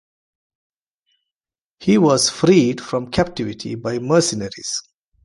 He was freed from captivity by mercenaries.